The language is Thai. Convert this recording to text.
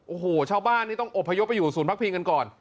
โอ้โหชาวบ้านนี่ต้องอบพยพไปอยู่ศูนย์พักพิงกันก่อน